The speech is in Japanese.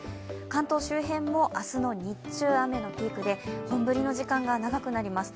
関東周辺も明日の日中、雨のピークで本降りの時間が長くなります。